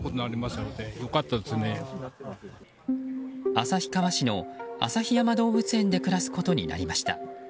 旭川市の旭山動物園で暮らすことになりました。